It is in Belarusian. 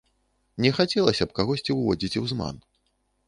Не хацелася б кагосьці ўводзіць у зман.